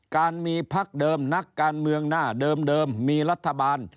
การมีพักเดิมนักการเมืองหน้าเดิมมีรัฐบาล